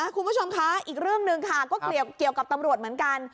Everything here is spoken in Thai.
คุณผู้ชมคะอีกเรื่องหนึ่งค่ะก็เกี่ยวกับตำรวจเหมือนกัน